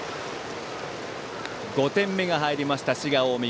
５点目が入りました滋賀・近江。